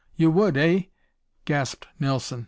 "You would eh?" gasped Nelson.